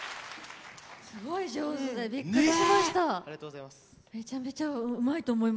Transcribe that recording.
すごい上手でびっくりしました。